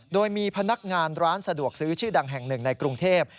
โดยมีพนักงานร้านสะดวกซื้อชื่อดังแห่งหนึ่งในกรุงเทพ